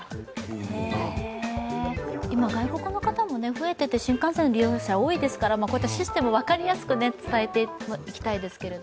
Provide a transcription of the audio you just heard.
今、外国の方も増えていて、新幹線の利用者多いですからこういったシステムを分かりやすく伝えていきたいですけど。